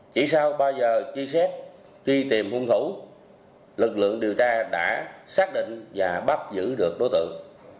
chỉ sau ba giờ truy xét truy tìm hung thủ lực lượng điều tra đã xác định và bắt giữ được đối tượng